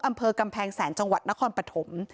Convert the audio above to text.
อำเภอกำแพงแสนจังหวัดนครปฐม